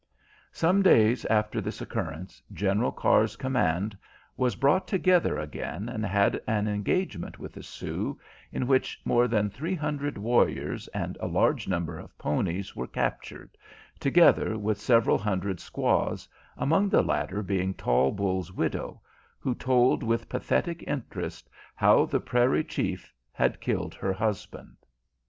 Some days after this occurrence General Carr's command was brought together again and had an engagement with the Sioux, in which more than three hundred warriors and a large number of ponies were captured, together with several hundred squaws, among the latter being Tall Bull's widow, who told with pathetic interest how the Prairie Chief had killed her husband.